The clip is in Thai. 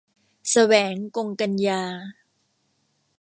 แสวง กงกันยา